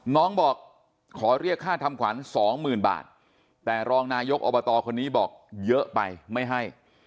น้องบอกขอเรียกค่าทำขวัญสองหมื่นบาทแต่รองนายกอบตคนนี้บอกเยอะไปไม่ให้